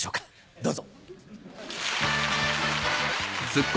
どうぞ。